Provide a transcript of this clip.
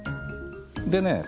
でね。